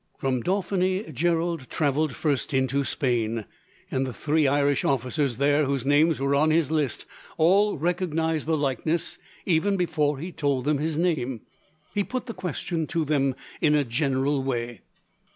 From Dauphiny, Gerald travelled first into Spain, and the three Irish officers there whose names were on his list all recognized the likeness, even before he told them his name. He put the question to them in a general way.